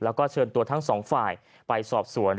แล้วก็เชิญตัวทั้งสองฝ่ายไปสอบสวน